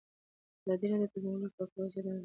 ازادي راډیو د د ځنګلونو پرېکول وضعیت انځور کړی.